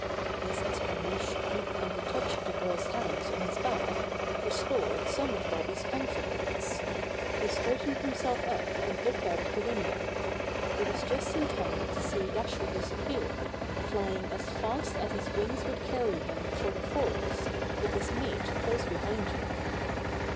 This explanation, and the touch of the girl's hands on his back, restored some of Bobby's confidence. He straightened himself up and looked out of the window. He was just in time to see Dasher disappear, flying as fast as his wings would carry him for the forest, with his mate close behind him.